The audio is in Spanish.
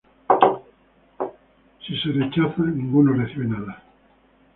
Si es rechazado, ninguno recibe nada.